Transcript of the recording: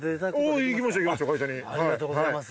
ありがとうございます。